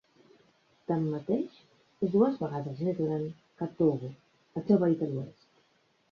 Tanmateix, és dues vegades més gran que Togo, el seu veí de l'oest.